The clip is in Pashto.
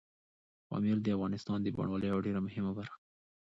پامیر د افغانستان د بڼوالۍ یوه ډېره مهمه برخه ده.